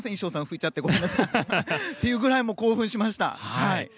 それぐらい興奮しました。